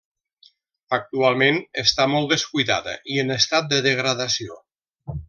Actualment està molt descuidada i en estat de degradació.